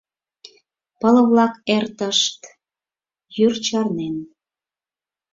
Пыл-влак эртышт Йӱр чарнен.